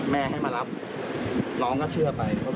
แม่ให้มารับน้องก็เชื่อไป